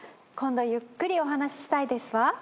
今度ゆっくりお話ししたいですわ。